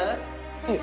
いえ。